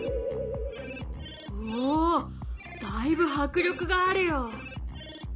おおだいぶ迫力があるよ。